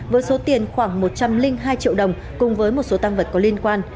với số tiền khoảng một trăm linh hai triệu đồng cùng với một số tăng vật có liên quan